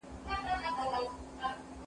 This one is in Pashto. موږ چي ول دوی به راسره رانسي